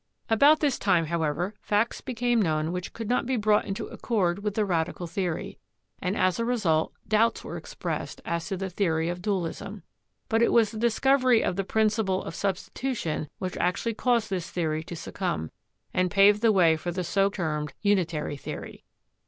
About this time, however, facts became known which could not be brought into accord with the radical theory, and as a result doubts were expressed as to the theory of dualism; but it was the discovery of the principle of substitution which actually caused this theory to succumb, and paved the way for the so termed unitary theory.